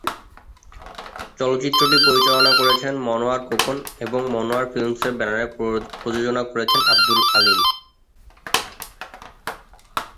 চলচ্চিত্রটি পরিচালনা করেছেন মনোয়ার খোকন এবং মনোয়ারা ফিল্মসের ব্যানারে প্রযোজনা করেছেন আব্দুল আলিম।